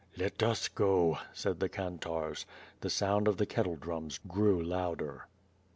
"Let us go," said the kantarz. The sound of the kettle drums grew louder.